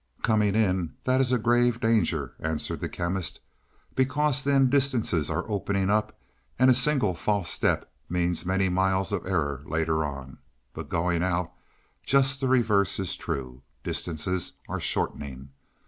"Coming in, that is a grave danger," answered the Chemist, "because then distances are opening up and a single false step means many miles of error later on. But going out, just the reverse is true; distances are shortening.